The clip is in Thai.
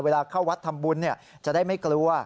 เข้าวัดทำบุญจะได้ไม่กลัว